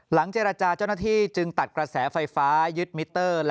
หลังเจรจาชนฤทธิจึงตัดกระแสไฟฟ้ายึดมิเตอร์